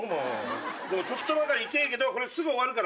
ちょっとばかり痛えけどすぐ終わるから。